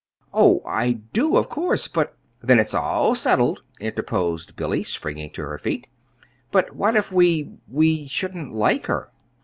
"Oh, I do, of course; but " "Then it's all settled," interposed Billy, springing to her feet. "But what if we we shouldn't like her?"